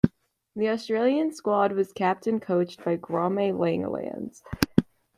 The Australian squad was captain-coached by Graeme Langlands.